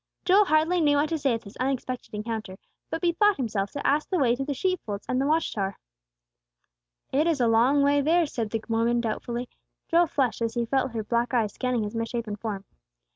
Joel hardly knew what to say at this unexpected encounter, but bethought himself to ask the way to the sheep folds and the watch tower. "It is a long way there," said the woman, doubtfully; Joel flushed as he felt her black eyes scanning his misshapen form.